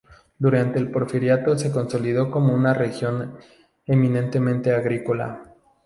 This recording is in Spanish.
Durante el Porfiriato se consolidó como una región eminentemente agrícola.